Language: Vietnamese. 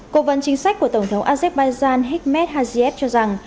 cổ vấn chính sách của tổng thống azerbaijan hikmet hazif cho rằng